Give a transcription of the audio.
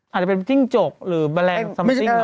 อาจจะเป็นจิ้งจกหรือแมลงซัมซิ่ง